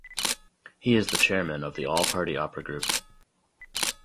He is the chairman of the all party opera group.